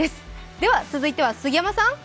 では、続いては杉山さん。